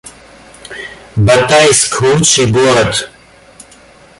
Батайск — лучший город